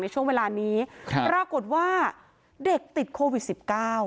ในช่วงเวลานี้รากฏว่าเด็กติดโควิด๑๙